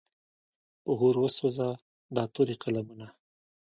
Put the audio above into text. په اور وسوځه دا تورې قلمونه.